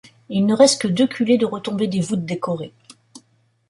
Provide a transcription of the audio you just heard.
Il ne reste que deux culées de retombée des voûtes, décorées.